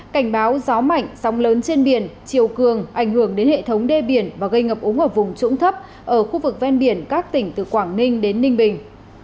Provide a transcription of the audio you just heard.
cảnh báo gió mạnh sóng lớn trên biển chiều cường ảnh hưởng đến hệ thống đê biển và gây ngập úng ở vùng trũng thấp ở khu vực ven biển các tỉnh từ quảng ninh đến ninh bình